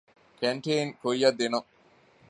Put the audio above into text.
ކެންޓީން ކުއްޔަށްދިނުން